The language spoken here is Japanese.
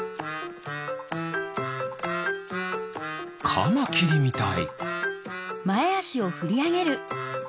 カマキリみたい。